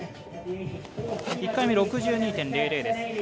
１回目、６２．００です。